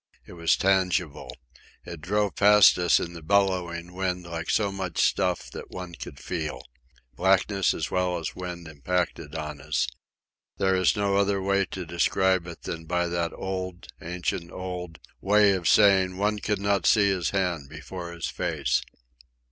It was tangible. It drove past us in the bellowing wind like so much stuff that one could feel. Blackness as well as wind impacted on us. There is no other way to describe it than by the old, ancient old, way of saying one could not see his hand before his face.